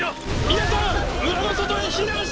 皆さん村の外へ避難して下さい！